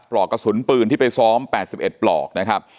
ปลอกกระสุนปืนที่ไปซ้อมแปดสิบเอ็ดปลอกนะครับ